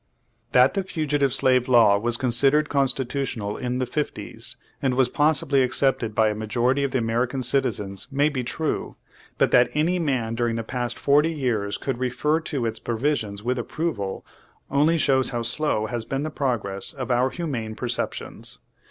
Page Twenty five That the Fugitive Slave Law was considered constitutional in the fifties, and was possibly ac cepted by a majority of American citizens may be true, but that any man during the past forty years could refer to its provisions with approval, only shows how slow has been the progress of our humane perceptions.